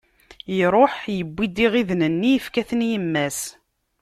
Iṛuḥ, iwwi-d iɣiden-nni, ifka-ten i yemma-s.